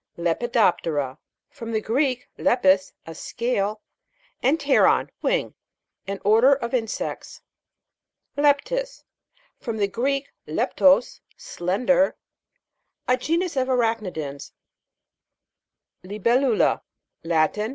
LEPIDOP'TERA. From the Greek, lepis, a scale, and pteron, wing. An order of insects. LEP'TUS. From the Greek, leptos, slender. A genus of arachni dans. LIBEL'LULA. Latin.